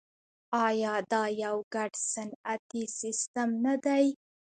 آیا دا یو ګډ صنعتي سیستم نه دی؟